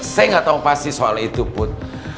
saya gak tau pasti soal itu put